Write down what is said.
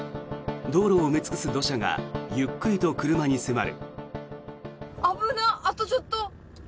道路を埋め尽くす土砂がゆっくりと車に迫る。